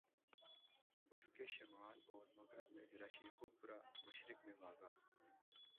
اسکے شمال اور مغرب میں ضلع شیخوپورہ، مشرق میں واہگہ